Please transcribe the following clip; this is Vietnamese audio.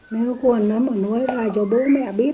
nếu con nói cho bố mẹ biết